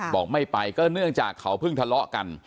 บอกไม่ไปก็เนื่องจากเขาเพิ่งทะเลาะกัน